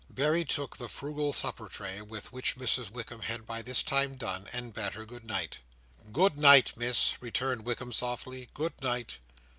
Berry took the frugal supper tray, with which Mrs Wickam had by this time done, and bade her good night. "Good night, Miss!" returned Wickam softly. "Good night!